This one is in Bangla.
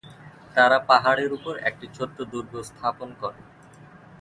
তারা পাহাড়ের উপর একটি ছোট দুর্গ স্থাপন করে।